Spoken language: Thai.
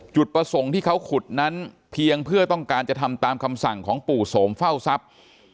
จุดประสงค์ที่เขาขุดนั้นเพียงเพื่อต้องการจะทำตามคำสั่งของปู่โสมเฝ้าทรัพย์